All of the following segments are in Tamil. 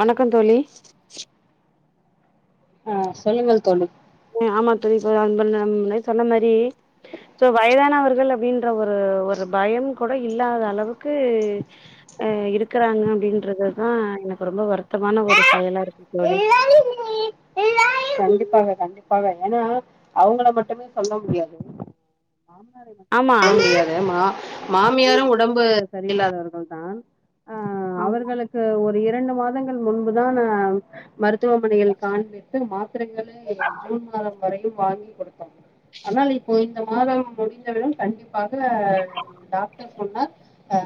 வணக்கம் தோழி ஆ சொல்லுங்கள் தோழி அ ஆமா தோழி [unintelligible] சொன்ன மாறி சோ வயதானவர்கள் அப்படின்ற ஒரு ஒரு பயம் கூட இல்லாத அளவுக்கு அ இருக்கறாங்க அப்படின்றது தா எனக்கு ரொம்ப வருத்தமான ஒரு செயலா இருக்கு தோழி கண்டிப்பாங்க கண்டிப்பாங்க ஏன்னா அவங்கள மட்டுமே சொல்ல முடியாது மாமனார ஆமா மதிக்கும் மாமியார் மா மாமியாரும் உடம்பு சரியில்லாதவர்கள் தான் ஆ ஆமா அவர்களு க்கு ஒரு இரண்டு மாதங்கள் முன்புதான் மருத்துவமனையில் காண்பித்து மாத் அப்பறோ கேளு ஜூன் மாதம் வரையு வாங்கி கொடுத்தாங்க ஆனால் இப்ப இந்த மாதம் முடிந்தவுடன் கண்டிப் பாக டாக்டர் சொன்னார் அ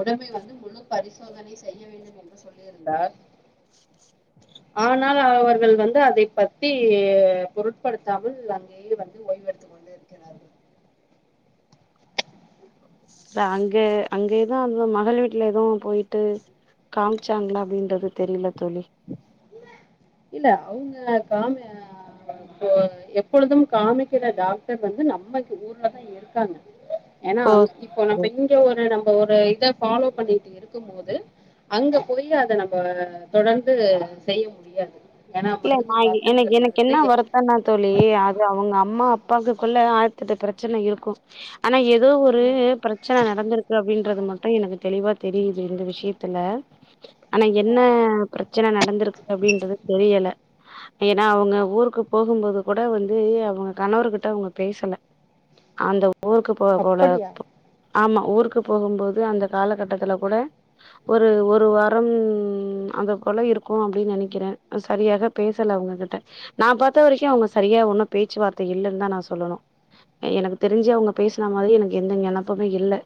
உடம்பை வந்து முழு பரிசோதனை செய்ய வேண்டும் என்று சொல்லியிருந்தார் ஆனால் அவர்கள் வந்து அதைப் த்தி பொருட்படுத்தாமல் அங்கேயே வந்து ஓய்வெடுத்துக் கொண்டு இருக்கிறார்கள் தா அங்க அங்கயே தா இருந்தே மகள் வீட்ல ஏதும் போயிட்டு காம்ச்சாங்ளா அப்படின்றது தெரில தோழி இல்ல அவுங்க காம அ இப்போ எப்பொழுதும் காமிக்கிற டாக்டர் வந்து நம்மைக்கு ஊர்லதா இருக்காங்க ஏன்னா ஓ இப்போ சரி. நம்ம இ ட்டு ஒரு நம்ம ஒரு இதை ஃபாலோ பண்ணிட்டு இருக்கும் போது அங்க போயி அதை நம்ம தொடர்ந்து செய்ய முடியாது ஏன்னா மருந்து மாத்திரைகள்ல இருந்து பண்லா தோழி அது அவங்க அம்மா அப்பாக்குக்குள்ள ஆயிரத்தெட்டு பிரச்சனை இருக்கும் ஆனா ஏதோ ஒரு பிரச் சனை நடந்திருக்கு அப்படின்றது மட்டு எனக்கு தெளிவா தெரியுது இந்த விஷயத்துல ஆனா என்ன பிரச்சனை நடந்திருக்குது அப்டின்றது தெரியல ஏன்னா அவங்க ஊருக்கு போகும்போது கூட வந்து அவங்க கணவர் கிட்ட அவங்க பேசல அந்த ஊருக்கு போகக் கூட அப்படியா ஆமா ஊருக்கு போகும்போது அந்த காலகட்டத்துல கூட ஒரு ஒரு வாரம் அந்த குல இருக்கு அப்டின்னு நெனைக்கிறே சரியாக பேசல அவங்ககிட்ட நா பாத்த வரைக்கு அவ்ங்க சரியா ஒன்னு பேச்சுவார்த்த இல்லன்னு தா நா சொல்லணு எனக்கு தெரிஞ்சு அவ்ங்க பேசன மாரி எனக்கு எந்த நெனப்பமே இல்ல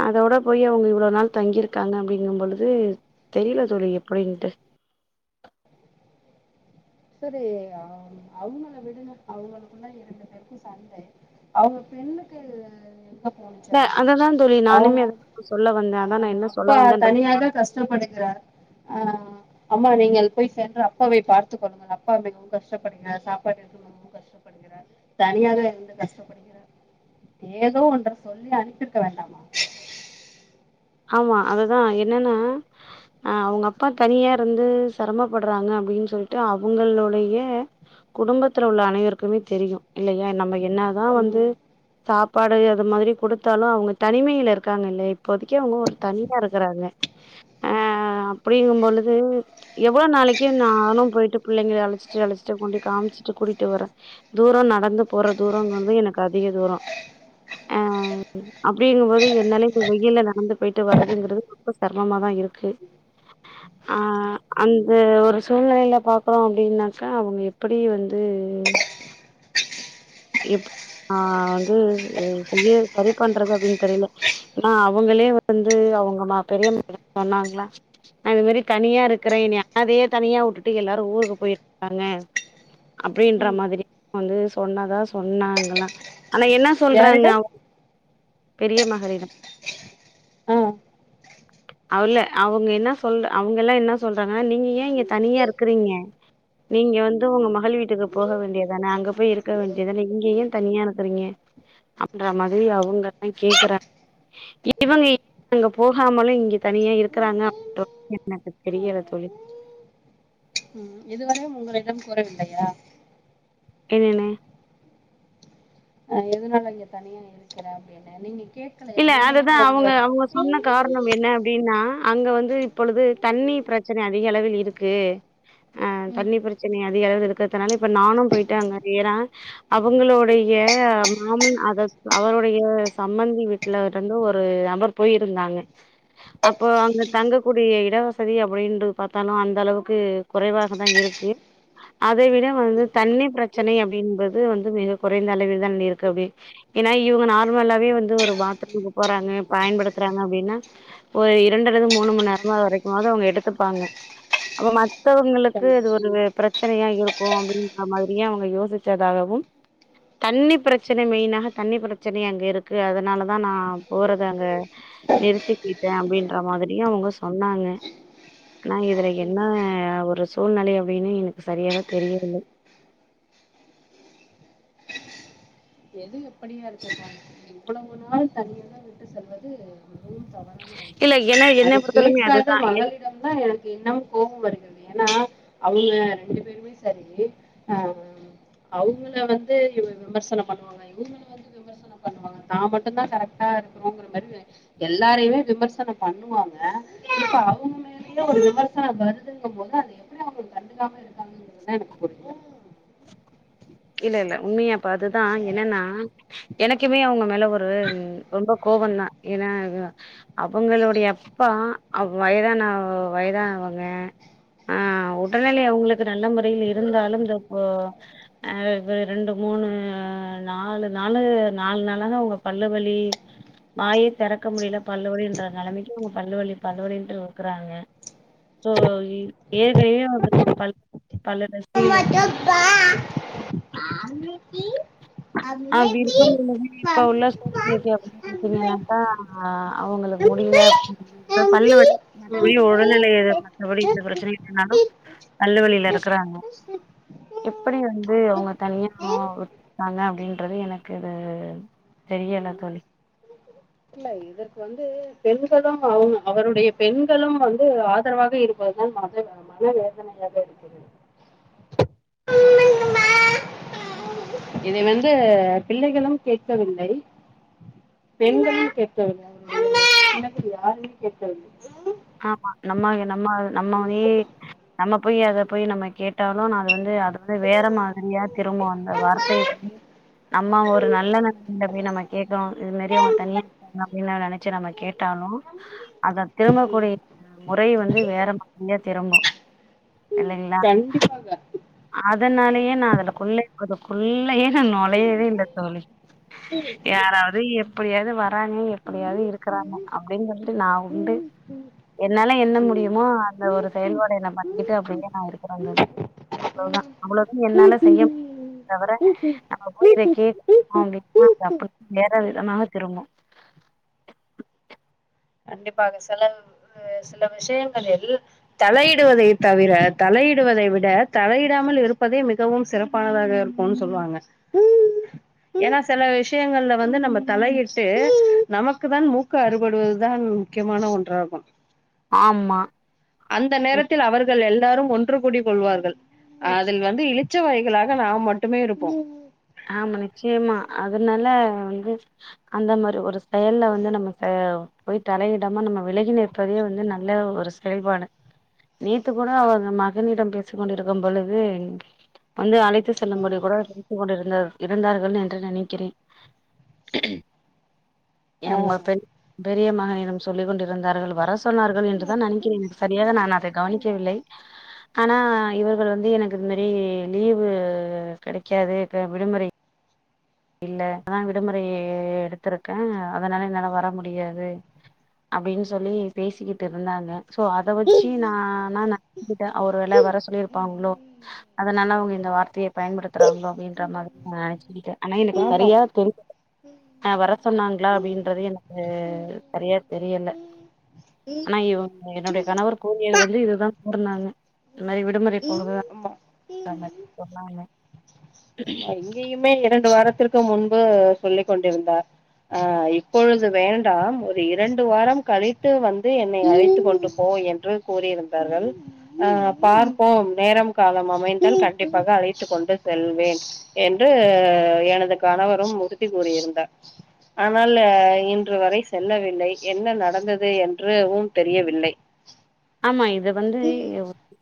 அதோட போயி அவுங்க இவ்ளோ நாளு தங்கியிருக்காங்க அப்படிங்கம் பொழுது தெரியில தொழி எப்படின்ட்டு செரி அவுங்கள விடுங்க அவுங்களுக்குள்ள ரெண்டு பேருக்கு சண்டை அவ்ங்க பெண்ணுக்கு இல்ல அததான் தோழி அவுங்க நானுமே அத சொல்ல வந்தேன் அ அதான் அ நான் என்ன சொல்ல அப்பா வந்தேன்றது தனியாதா கஷ் டம்படுகிறார் ஆ அம்மா நீங்கள் போய் சென்று அப்பாவை பார் த்து கொள்ளுங்கள் அப்பா மிகவும் கஷ்டப்படுகிறார் சாப்பாட்டிற்கு மிகவும் கஷ் டப்படுகிறார் தனியாவே இருந்து கஷ்டப்படுகிறார் ஏதோ ஒன்று சொல்லி அனுப்பிர்க்க வேண்டாமா ஆமா அதுதா என்னன்னா அ அவ்ங்க அப்பா தனியா இருந்து சிரமப்படுறாங்க அப்டின்னு சொல்ட்டு அவுங்களுடைய குடும்பத்துல உள்ள அனைவருக்குமே தெரியு இல்லையா நம்ம என்னதா வந்து உம் சாப் பாடு அது மாரி கொடுத்தாலு அவ்ங்க தனிமையில இருக்காங்க இல்லயா இப்போது க்கே அவ்ங்க ஒரு தனிவா இருக்கறாங்க அ அப்படிங்கம் பொழுது எவ்வளோ நாளைக்கி நானு போய்ட்டு பிள்ளைங்கள அழச்சிட்டு அழச்சிட்டு கொண்டு காமிச்சுட்டு கூட்டிட்டு வரே தூரோ நடந்து போற தூரோ ன்னோவே எனக்கு அதிக தூரோ அ அப்படிங்கம்போது என்னாலயே கப்ப வெயில்ல வந்து போய்ட்டு வர்றதுங்கிறது ரொம்ப சிரமம்மாதா இருக்கு அந்த ஒரு சூழ்நிலையில பாக்குறோ அப்டின்னாக்கா அவ்ங்க எப்புடி வந்து எப் ஆ வந்து செய்ய சரி பண்றது அப்டின்னு தெரியில ஏனா அவுங்களே வந்து அவங்க மா பெரியமா சொன்னாங்ளா அது மாரி தனியா இருக்கறே ஞ அழவே தனியா வுட்டுட்டு எல்லாரு ஊருக்கு போயிருக்காங்க அப்படின்ற உம் மாதிரி வந்து சொன்னாதா சொன்னாங்ல்லா ஆனா என்ன சொல்றாங்க யாரிடம் அவ் பெரிய மகளிடம் ஆஹ் அல்ல அவங்க என்ன சொல்ற அவங்க எல்லா என்ன சொல்றாங்கன்னா நீங்க ஏ இங்க தனியா இருக்குறீங்க நீங்க வந்து உங்க உம் மகள் வீட்டுக்கு போக வேண்டியதானே அங்க போய் இருக்க வேண்டி தான இங்கயே தனியா இருக்கிறீங்க அப்பன்ற மாதிரி அவங்கல்லா கேக்குறாங்க இப இவங்கி அங்க போகாமலு இங்க தனியா இருக்கறாங்க அப்போ என்னனு தெரியற தொழி இதுவரையும் உங்களிடம் கூறவில்லையா என்னன்னே ஆ எதுனால இங்க தனியா இருக்குற அப்டின்னு நீங்க கேக் இல்ல அதுதா அவங்க அவ்ங்க சொன்ன காரணம் என்ன அப்டின்னா அங்க வந்து இப்பொழுது தண்ணி ப்ரச்சனை அதிக அளவில் இருக்கு அ ம் தண்ணி ப்ரச்சனை அதிக அளவு இருக்கறிதுனால இப்ப நானு போய்ட்டு அங்க ஏறா அவங்களோடைய மாமன் அத அவருடைய சம்மந்தி விட் ட்டுல இருந்து ஒரு நபர் போயிருந்தாங்க அப்போ அங்க தங்கக்கூடிய இடவசதி அப்டின்னு பாத்தாலு அந்த அளவுக்கு குறைவாகதா இருக்கு அதை விட வந்து தண்ணிர் பிரச்சனை அப்படின்றது வந்து மிக கொறைந்த அளவில் தான் இருக்கு அப்டி ஏன்னா இவங்க நார்மலாவே வந்து ஒரு பாத்ரூமுக்கு போறாங்க பயன்படுத்துறாங்க அப்டின்னா ஒரு இரண்டலது மூணு மண் நேரமா வரைக்கும் மாறு அவங்க எடுத்துப்பாங்க அப்ப மத் தவங்களுக்கு இது கண்டிப்பா ஒரு பிரச்சனையா இருக்கும் அப்படிங்க மாரியே அவங்க யோசிச்சதாகவும் தண்ணி பிரச்சனை மெயினாக தண்ணி பிரச்சனை அங்க இருக்கு அதனால தா நா போறத அங்க நிறுத்திக்கிட்டேன் அப்டின்ற மாதிரியும் அவங்க சொன்னாங்க நா இதுல என்ன ஒரு சூழ்நலை அப்டின்னு எனக்கு சரியாக தெரியவில்லை எது எப்படியா இருக்குக்க இவ்வளவு நாள் தனியல்லாம் விட்டு செல்வது மிகவும் தவறான இல்ல ஒன்று என்ன என்ன அத பொறுத்தளவுமே கேட்காத அதுதான் என் மகளிடம் ந எனக்கு இன்னும் கோவோ வருது ஏன்னா அவங்க ரெண்டு பேரும் சரி அவ்ங்கள அவங்கள வந்து விமர்சனம் பண்ணுவாங்க இவங்கள வந்து விமர்சன பண்ணுவாங்க தான் மட்டும் தான் கரெக்டா இருக்கிறோங்கிற மரு எல்லாரையுமே விமர்சனம் பண்ணுவாங்க இப்ப அவங்கமே நீ ஒரு விமர்சா வருதுங்க போது அந்த எப்படி அவங்களுக்கு கண்டுகாம இருக்காங்கறதுதான் எனக்கு புரியல இல்ல இல்ல உண்மையா ப்ப அதுதா என்னன்னா எனக்குமே அவுங்க மேல ஒரு ரொம்ப கோபம் தா ஏன்னா அவுங்களுடைய அப்பா அவ் வயதான வயதான அவுங்க அ உடல்நெல அவுங்களுக்கு நல்ல முறையில இருந்தாலும் இந்த போ அ இப்ப ரெண்டு மூணு நாலு நாலு நாலு நாளாக ஒ பல்லு வலி வாயே தெறக்க முடியல பல்லு வலின்ற நலமைக்கு பல்லு வலி பல்லு வலின்ட்டுருக்குறாங்க சோ யே ஏற்கயே ப [unintelligible] வா [inaudible] சரிங் ஆ அன்னிக்கி அப்டி இருக்க முல்ல இப்ப உள்ள சூழ்நெலக்கி அப்ன இருப்பீங்கனாக்கா அ அவுங்களுக்கு ம். முடியல பல்லு வலி மத்தபடி உடல்நெலய மத்தபடி எந்த பிரச்சனையும் இருந்தாலும் பல்லு வலில இருக்குறாங்கோ எப்படி வந்து அவுங்க தனியா பாங்க அப்டின்றது எனக்கு தெரியல தோழி இல்ல இது வந்து பெண்களும் அவுங்க அவருடைய பெண்களும் வந்து ஆதரவாக இருப்பதுதா மத மன வேதனையாவே இருக்குது [inaudible] இத வந்து பிள்ளைகளும் கேட்கவில்லை பெண்களும் கேக்கவில்லை அவரு யாரும்மே கேக்கவில்லை ஆம்மா நம்ம நம்ம நம்மயே நம்ம போய் அத போய் நம்ம கேட் ட்டாலும் நா அது வந்து அது வந்து வேற மாதிரியா திரும்ப அந்த வார்த்தைய வந்து நம்ம ஒரு நல்ல என்னத்துல போய் நம்ம கேட்டோ நறையோ தனி அப்டினு நெனச்சு நம்ம கேட்டாலும் அத திரும்ப ம். கூடிய முறை வந்து வேற மாதிரியா திரும்பும் இல்லைங்களா கண்டிப்பாக அதனாலயே நா அதலுக்குள்ளே கதுக்குள்ளயே நா நொழையவே இல்ல தோழி யாரா எது எப்டியாது வராங்க எப்டியாது இருக்றாங்க அப்டின் சொல்ட்டு நா உண்டு ம் என்னால என்ன முடியுமோ அதுல ஒரு செயல்பாடு என்ன பண்ணிட்டு அப்டியே நா இருக்கற தோழி அவ்ளோதா அவ்ளோ தா என்னால செய்ய தவர நம்ம போய் இத கேட்டோ அப்டினா அது அப்டியே வேற விதமாக திரும்பு கண்டிப்பாக சில சில விஷியங்களில் தலையிடுவதை தவிர தலையிடுவதை விட தலையிடாமல் இருப்பதே மிகவும் சிறப் பல வக இருக்குன் சொல்வாங்க [inaudible] ஏனா செல விஷியங்கள்ல வந்து நம்ம தலையிட்டு நமக்கு தான் மூக்கு அறுபடுவத் இதான் முக்கியமான ஒன்றாகும் ஆமா அந்த ம் நேரத்தில் அவருக் கள் எல்லாரும் ஒன்று கூடி கொள்வார்கள் அதில் வந்து இளிச்ச வாய்களாக நாம் மட்டுமே இருப்போம் ஆமா நிச்சியமா அதனால வந்து அந்த மாரி ஒரு செயல்ல வந்து நமக்கு போய் தலையிடாம நம்ம விலகி நிற்பதே வந்து நல்ல ஒரு செயல்பாடு நேத்து கூட அவுங்க மகனிடம் பேசிக்க கொண்டிருக்கும் பொழுது வந்து அழைத் து செல்லும்படி கூட பேசி கொண்டிருந்தார் இருந்தார்கள் என்று நினைக்கிறே ஏ ஆ உங்க பெரி பெரிய மகனிடம் சொல்லி கொண்டிருந்தார்கள் வரஸ் சொன்னார்கள் என்று தா நெனைக்கிறேன் அது சரியாக நான் அதை கவனிக்கவில்லை ஆனா இவர்கள் வந்து எனக்கு இந்த மாரி லீவு கெடைக்காது இப்ப விடுமுறை இல்ல நான் விடுமுறை எடுத்திருக்கே அதனால என்னால வர முடியாது அப்டின் சொல்லி பேசிக்கிட்டு இருந்தாங்க சோ அத வச்சு நா நானா கிட்ட அவர் வேல வர சொல்லிருப்பாங்ளோ அதனால அவுங்க இந்த வார்த்தைய பயன்படுத்துறாங்க அப்டின்ற மாதிரி நா நெனச்சிருக்கிட்ட ஆனா எனக்கு ஆமா சரியா தெரிய ஆ வர சொன்னாங்ளா அப்டின்றது எனக்கு சரியா தெரியல ஆனா இவுங்க என்னோட கணவர் கோமியா வந்து இதுதா பொறந்தாங்க இது மாரி விடுமுறை போல தா ஆமா டாமர் சொன்னாங்க ஆமா இங்கேயுமே இரண்டு வாரத்திற்கு முன்பு சொல்லி கொண்டிருந்தார் ஆ இப்பொழுது வேண்டாம் ஒரு இரண்டு வாரம் கழித்து வந்து என்னை அழைத்து கொண்டு போ என் றுக் கூறியிருந்தார்கள் ஆ பார்ப்போம் நேரம் காலம் அமைந்தால் கண்டிப்பாக அழைத்து கொண்டு செல்வேன் என்று எனது கணவரும் உறுதி கூறியிருந்தா ஆனால் இன்று வரை சொல்ல வில்லை என்ன நடந்தது என்று வும் தெரியவில்லை ஆமா இத வந்து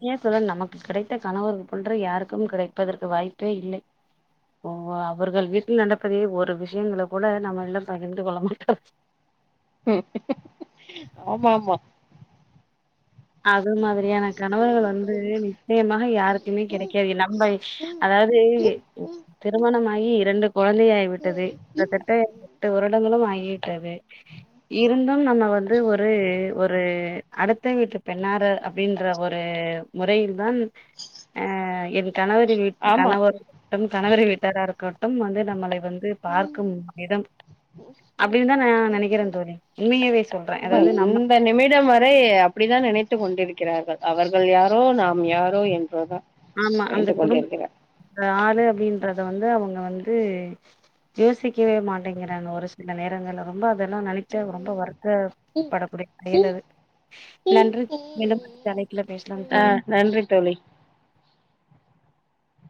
ஏ சொல்ல நமக்கு கிடை த்த கணவர்க்கு போன்ற யாருக்கும் கிடைப்பதற்கு வாய்ப்பே இல்லை ஓ அவர்கள் வீட்டில் நடப்பதை ஒரு விஷியங்கள கூட நம்மெல்லா பகிர்ந்து கொள்ள மாட்டார் ஆமா ஆமா அது மாதிரியான கணவர்கள் வந்து நிச்சயமாக யாருக்குமே கெடைக்காது ஏ நம்பை அதாவது திருமணமாகி இரண்டு கொழந்தையாகி விட்டது இந்த து து வருடங்களு ஆகி விட்டது இருந்தும் நம்ம வந்து ஒரு ஒரு அடுத்த வீட்டுப் பெண்ணாரு அப்படின்ற ஒரு முறையில்தான் அ என் கணவரி வீட் ஆமா கணவர்ட்டு கணவரு வீட்டாரா இருக்கட்டும் வந்து நம்மளை வந்து பார்க்கும் விதம் அப்டின் தா நா நெனைக்கிறே தோழி உண்மையாவே சொல்றே ஆமா அதாவது நம்ம இந்த நிமிடம் வரை அப்படிதான் நினைத்து கொண்டிருக்கிறார்கள் அவர்கள் யாரோ நாம் யாரோ என்பதுதா ஆமா அந்த குடும் யாரு அப்படின்றத வந்து அவுங்க வந்து யோசிக்கவே மாட்டேங்கிறாங்க ஒரு சில நேரங்கள்ல வந்து அதெல்லா நெனைக் ச்ச ரொம்ப வருத்தப்பட கூடிய செயலது நன்றி மீண்டும் தலைப்பு பேசலாம் ஆ தோழி நன்றி தோழி